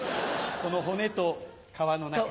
この骨と皮の中に。